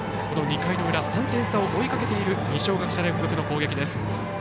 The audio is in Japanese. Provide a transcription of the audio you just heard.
この２回の裏３点差を追いかけている二松学舎大付属の攻撃です。